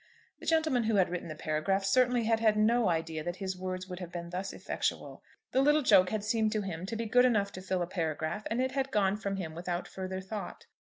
The gentleman who had written the paragraph certainly had had no idea that his words would have been thus effectual. The little joke had seemed to him to be good enough to fill a paragraph, and it had gone from him without further thought.